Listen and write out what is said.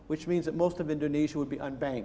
yang berarti kebanyakan indonesia akan tidak dibank